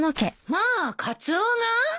まあカツオが？